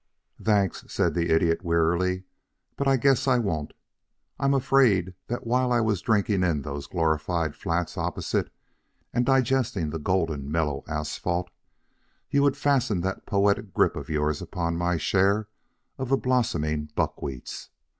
"Thanks," said the Idiot, wearily, "but I guess I won't. I'm afraid that while I was drinking in those glorified flats opposite and digesting the golden mellow asphalt, you would fasten that poetic grip of yours upon my share of the blossoming buckwheats.